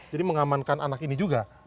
jadi mengamankan anak ini juga